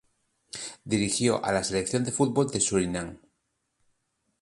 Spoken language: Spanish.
Dirigió a la Selección de fútbol de Surinam.